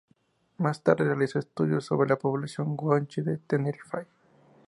Más tarde, realizó estudios sobre la población guanche de Tenerife.